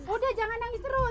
udah jangan nangis terus